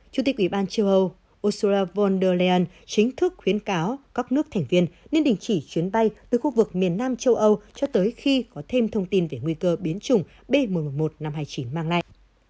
chủ tịch ủy ban châu âu ursura von der leyen chính thức khuyến cáo các nước thành viên nên đình chỉ chuyến bay từ khu vực miền nam châu âu cho tới khi có thêm thông tin về nguy cơ biến chủng bm một năm trăm hai mươi chín mang lại